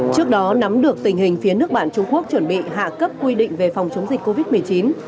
trước đó nắm được tình hình phía nước bạn trung quốc chuẩn bị hạ cấp quy định về phòng chống dịch covid một mươi chín